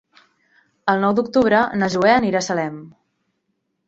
El nou d'octubre na Zoè anirà a Salem.